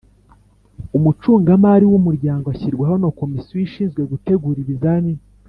Umucungamari w umuryango ashyirwaho na komisiyo ishinzwe gutegura ibizamini